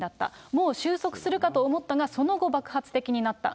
もう終息するかと思ったが、その後、爆発的になった。